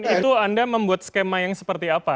itu anda membuat skema yang seperti apa